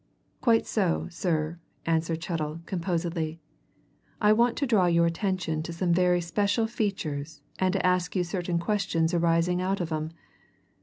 "Quite so, sir," answered Chettle composedly. "I want to draw your attention to some very special features and to ask you certain questions arising out of 'em.